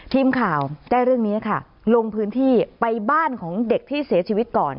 ทีมข่าวได้เรื่องนี้ค่ะลงพื้นที่ไปบ้านของเด็กที่เสียชีวิตก่อน